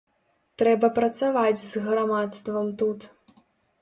Трэба працаваць з грамадствам тут.